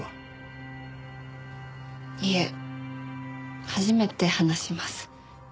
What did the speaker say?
いえ初めて話します。